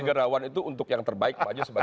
negarawan itu untuk yang terbaik pak jokowi sebagai pan